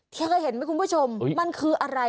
เคยเห็นมั้ยคุณผู้ชมมันคืออะไร